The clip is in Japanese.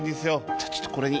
じゃあちょっとこれに。